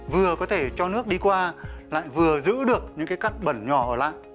vừa có thể cho nước đi qua lại vừa giữ được những cái cắt bẩn nhỏ ở lại